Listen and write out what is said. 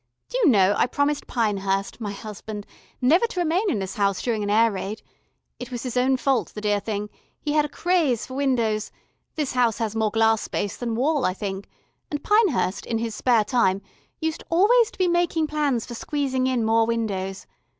Do you know, I promised Pinehurst my husband never to remain in this house during an air raid. It was his own fault, the dear thing; he had a craze for windows; this house has more glass space than wall, I think, and Pinehurst, in his spare time, used always to be making plans for squeezing in more windows.